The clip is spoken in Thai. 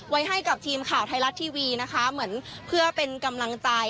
ไว้ให้กับทีมข่าวไทยรัฐทีวีนะคะเหมือนเพื่อเป็นกำลังใจ